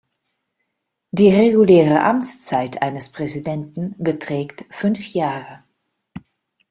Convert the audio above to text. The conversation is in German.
Die reguläre Amtszeit eines Präsidenten beträgt fünf Jahre.